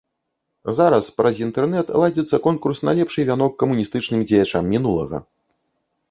Зараз праз інтэрнэт ладзіцца конкурс на лепшы вянок камуністычным дзеячам мінулага.